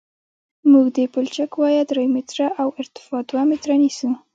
موږ د پلچک وایه درې متره او ارتفاع دوه متره نیسو